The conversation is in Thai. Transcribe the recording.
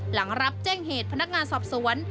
หลังรับแจ้งเหตุพนักงานสอบสวน